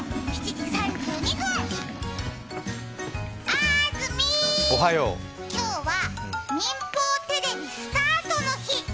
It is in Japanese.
あーずみー、今日は民放テレビスタートの日。